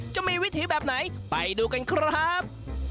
จะมีวิธีแบบไหนไปดูกันครับ